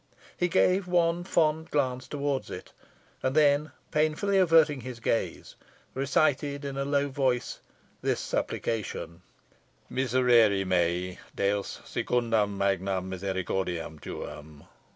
He gave one fond glance towards it, and then painfully averting his gaze, recited, in a low voice, this supplication: "_Miserere mei, Deus, secundum magnam misericordiam tuam.